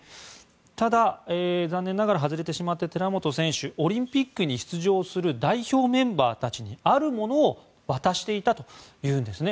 ただ、残念ながら外れてしまった寺本選手オリンピックに出場する代表メンバーたちにあるものを渡していたというんですね。